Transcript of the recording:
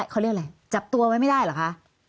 เขาเรียกอะไรจับตัวไว้ไม่ได้เหรอคะ